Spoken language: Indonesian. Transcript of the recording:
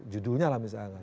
judulnya lah misalnya